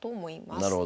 なるほど。